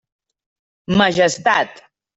Majestat.